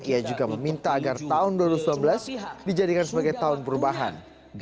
ia juga meminta agar tahun dua ribu sembilan belas dijadikan sebagai tahun perubahan